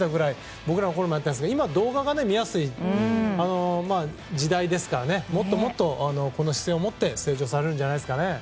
僕らのころはやってたんですが今は動画が見やすい時代ですからもっともっとこの姿勢を持って成長されるんじゃないですかね。